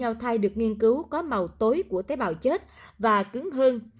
ngao thai được nghiên cứu có màu tối của tế bào chết và cứng hơn